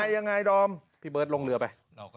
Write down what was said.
ยังไงดอมพี่เบิร์ตลงเรือไป